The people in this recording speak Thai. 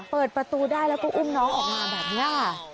เปิดประตูได้แล้วก็อุ้มน้องออกมาแบบนี้